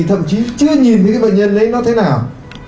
thậm chí chưa nhìn thấy cái bệnh nhân ấy nó thế nào